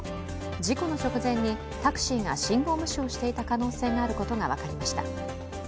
事故の直前にタクシーが信号無視をしていた可能性があることが分かりました。